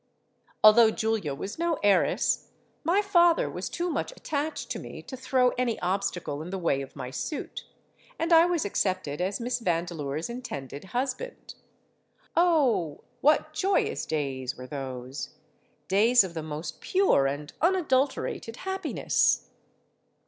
Although Julia was no heiress, my father was too much attached to me to throw any obstacle in the way of my suit; and I was accepted as Miss Vandeleur's intended husband. Oh! what joyous days were those—days of the most pure and unadulterated happiness!